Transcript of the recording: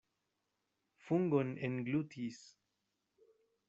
Fungon englutis!